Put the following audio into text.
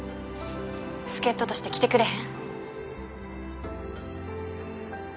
助っ人として来てくれへん？